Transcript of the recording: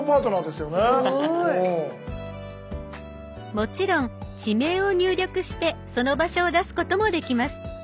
もちろん地名を入力してその場所を出すこともできます。